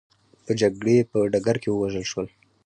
په جګړې په ډګر کې ووژل شول.